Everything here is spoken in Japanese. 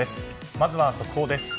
まずは速報です。